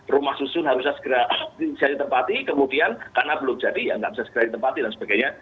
rumah susun harusnya segera bisa ditempati kemudian karena belum jadi ya nggak bisa segera ditempati dan sebagainya